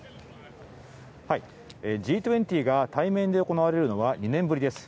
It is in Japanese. Ｇ２０が対面で行われるのは２年ぶりです。